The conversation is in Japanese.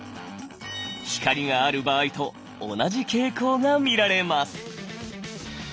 光がある場合と同じ傾向が見られます。